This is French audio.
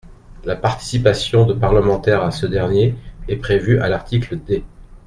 La participation de parlementaires à ce dernier est prévue à l’article D.